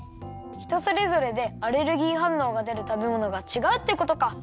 ひとそれぞれでアレルギーはんのうがでるたべものがちがうってことか。